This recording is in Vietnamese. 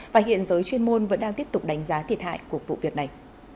và hiện giới chuyên môn vẫn đang tiếp tục đánh giá thiệt hại của vụ việc này